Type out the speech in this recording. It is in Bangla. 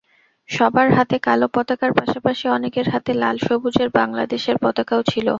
সবার হাতে কালো পতাকার পাশাপাশি অনেকের হাতে লাল-সবুজের বাংলাদেশের পতাকাও ছিল।